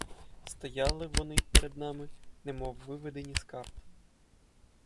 Стояли вони перед нами, немов виведені з карт.